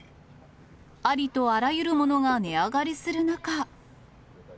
ありとあらゆるものが値上がりする中。